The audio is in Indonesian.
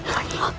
rai rai rai